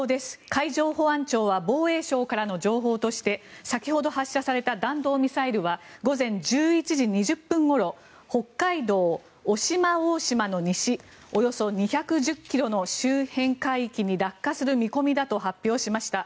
海上保安庁は防衛省からの情報として先ほど発射された弾道ミサイルは午前１１時２０分ごろ北海道・渡島大島の西およそ２１０ｋｍの周辺海域に落下する見込みだと発表しました。